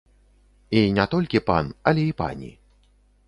І не толькі пан, але і пані.